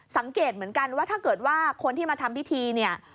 สังเกตเหมือนกันว่าถ้าเกิดว่าคนที่มาทำพิธีเนี่ย